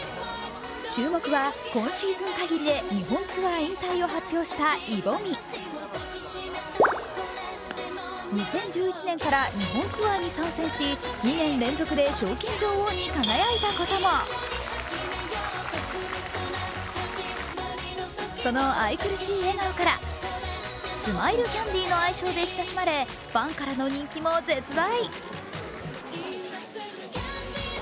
注目は、今シーズン限りで日本ツアー引退を発表したイ・ボミ２０１１年から日本ツアーに参戦し２年連続で賞金女王に輝いたこともその愛くるしい笑顔からスマイルキャンディーの愛称で親しまれファンからの人気も絶大。